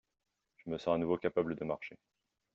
Je me sens à nouveau capable de marcher.